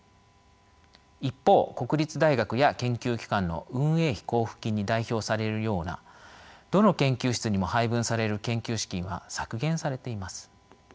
一方国立大学や研究機関の運営費交付金に代表されるようなどの研究室にも配分される研究資金は削減されています。